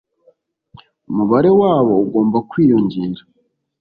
umubare wabo ugomba kwiyongera